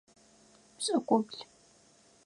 Пшӏыкӏублы.